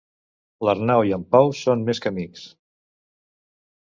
L'Arnau i en Pau són més que amics.